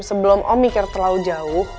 sebelum om mikir terlalu jauh